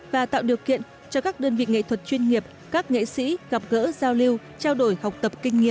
và tạo điều kiện cho các đơn vị nghệ thuật chuyên nghiệp các nghệ sĩ gặp gỡ giao lưu trao đổi học tập kinh nghiệm